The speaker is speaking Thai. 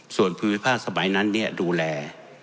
ส่วนภูมิภาคสมัยนั้นดูแล